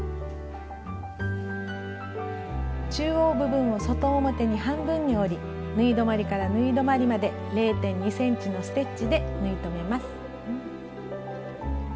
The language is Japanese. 中央部分を外表に半分に折り縫い止まりから縫い止まりまで０．２ｃｍのステッチで縫い留めます。